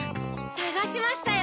さがしましたよ。